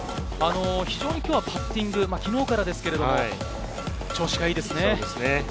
非常に今日はパッティング、昨日からですけれど調子がいいですね。